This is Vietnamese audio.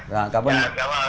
dạ cảm ơn anh